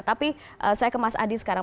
tapi saya ke mas adi sekarang